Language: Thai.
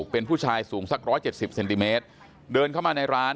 เป็นผู้ชายสูงสัก๑๗๐เซนติเมตรเดินเข้ามาในร้าน